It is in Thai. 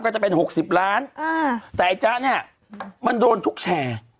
ก็จะเป็น๖๐ล้านแต่ไอ้จ๊ะเนี่ยมันโดนทุกแชร์